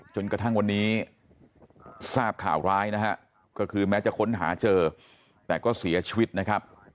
จนกระทั่งวันนี้ทราบข่าวร้ายนะฮะก็คือแม้จะค้นหาเจอแต่ก็เสียชีวิตนะครับ